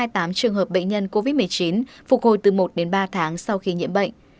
hai mươi tám trường hợp bệnh nhân covid một mươi chín phục hồi từ một đến ba tháng sau khi nhiễm bệnh